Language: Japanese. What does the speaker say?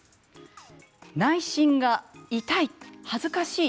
内診が痛い、恥ずかしい。